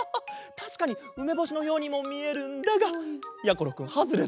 たしかにうめぼしのようにもみえるんだがやころくんハズレットだ。